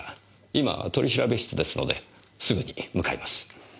今取調室ですのですぐに向かいます。